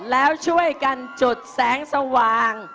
แล้วช่วยกันจดแสงสว่าง